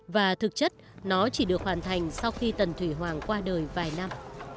và thực chất nó chỉ được hoàn thành sau khi tần thủy hoàng qua đời vài năm